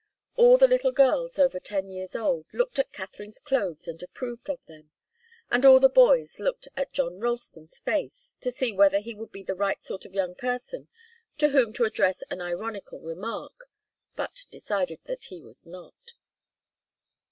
All the little girls over ten years old looked at Katharine's clothes and approved of them, and all the boys looked at John Ralston's face to see whether he would be the right sort of young person to whom to address an ironical remark, but decided that he was not.